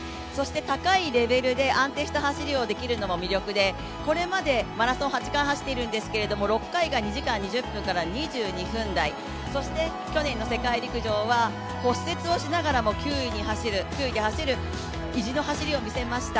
高いレベルで安定した走りをできるのでこれまでマラソン８回走ってるんですけど６回が２時間２０分から２２分台、そして去年の世界陸上は骨折をしながらも９位で走る意地の走りを見せました。